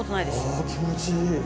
ああ気持ちいい。